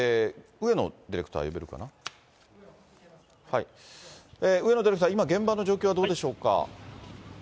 上野ディレクター、今、現場の状況はどうでしょうか。